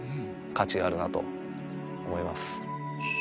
価値があるなと思います